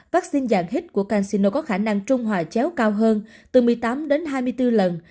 vaccine dạng hít của canxino có khả năng trung hòa chéo cao hơn từ một mươi tám đến hai mươi bốn lần